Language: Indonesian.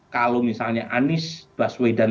kalau misalnya anies baswedan